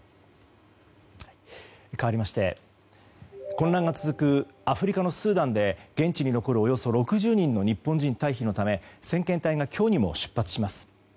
かわりまして、混乱が続くアフリカのスーダンで現地に残るおよそ６０人の日本人退避のため先遣隊が、今日にも出発します。